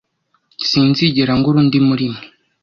Sinzigera ngura undi murimwe.